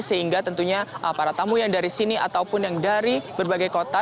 sehingga tentunya para tamu yang dari sini ataupun yang dari berbagai kota